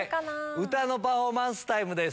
歌のパフォーマンスタイムです。